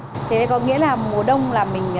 thế có nghĩa là mùa đông là mình